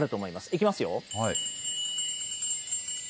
いきますよ。